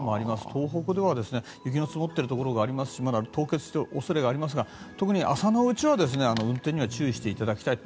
東北では雪の積もってるところがありますしまだ凍結する恐れがありますが特に朝のうちは運転には注意していただきたい。